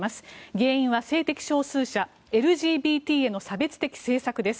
原因は性的少数者・ＬＧＢＴへの差別的政策です。